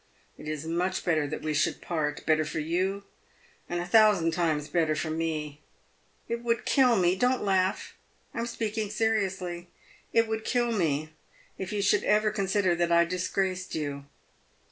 It is much better that we should part ; better for you, and a thousand times better for me. It would kill me — don't laugh, I am speaking seriously — it would kill me if you should ever consider that I disgraced you.